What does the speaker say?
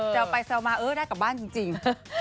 เอาไปแซวมาได้กลับบ้านจริง